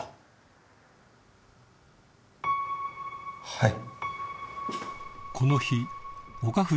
はい。